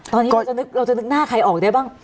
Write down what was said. ตอนนี้เราจะนึกหน้าใครออกได้บ้าง